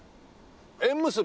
縁結び？